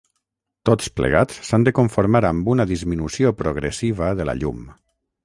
Tots plegats s'han de conformar amb una disminució progressiva de la llum.